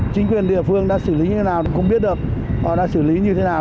chính quyền địa phương đã xử lý như thế nào cũng biết được họ đã xử lý như thế nào